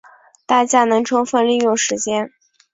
大家能充分利用时间